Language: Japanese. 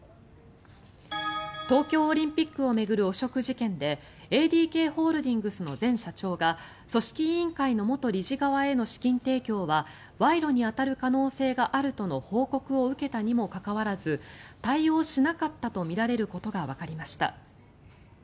東京オリンピックを巡る汚職事件でＡＤＫホールディングスの前社長が組織委員会の元理事側への資金提供は賄賂に当たる可能性があるとの報告を受けたにもかかわらず対応しなかったとみられることがわかりました。